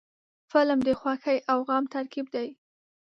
فلم د خوښۍ او غم ترکیب دی